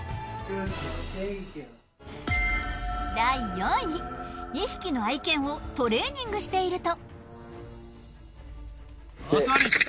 第４位２匹の愛犬をトレーニングしていると。